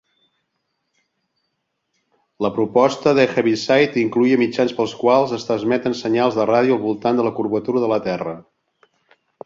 La proposta de Heaviside incloïa mitjans pels quals es transmeten senyals de ràdio al voltant de la curvatura de la Terra.